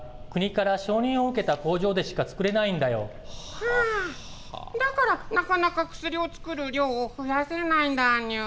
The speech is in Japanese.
はー、だからなかなか薬を作る量を増やせないんだにゅ。